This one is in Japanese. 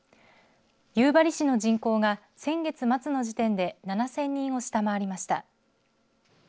夕張市の人口が先月末の時点で７０００人を下回りました。